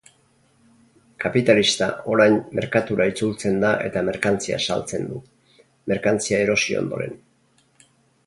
Kapitalista orain merkatura itzultzen da eta merkantzia saltzen du, merkantzia erosi ondoren.